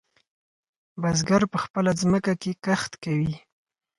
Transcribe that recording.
بزگر په خپله ځمکه کې کښت کوي.